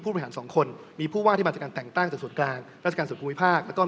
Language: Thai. เพราะว่าที่มาจากการแต่งตั้งสวนกลางราชการสวนภูมิภาค